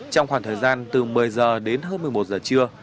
trong khoảng thời gian từ một mươi giờ đến hơn một mươi một giờ trưa